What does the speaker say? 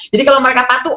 jadi kalau mereka patuh